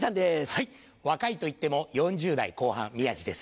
はい若いといっても４０代後半宮治です。